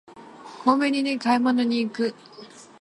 コンビニに買い物に行く